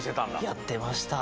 やってました。